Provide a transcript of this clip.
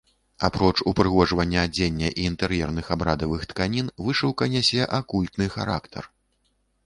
Апроч упрыгожвання адзення і інтэр'ерных абрадавых тканін, вышыўка нясе акультны характар.